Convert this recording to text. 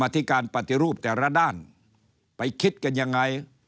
แต่ละด้านไปคิดกันอย่างไร